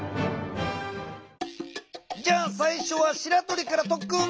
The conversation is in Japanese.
じゃあさいしょはしらとりからとっくん！